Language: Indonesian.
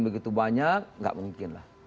begitu banyak tidak mungkin